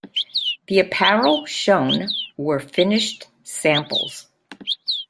The apparel shown were finished samples.